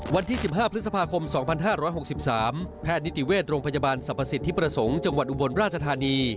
วันที่๑๕พฤษภาคม๒๕๖๓แพทย์นิติเวชโรงพยาบาลสรรพสิทธิประสงค์จังหวัดอุบลราชธานี